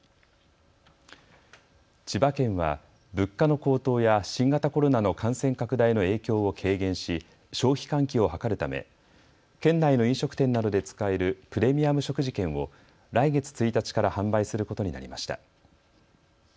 千葉県は物価の高騰や新型コロナの感染拡大の影響を軽減し消費喚起を図るため県内の飲食店などで使えるプレミアム食事券を来月１日から販売することになりました。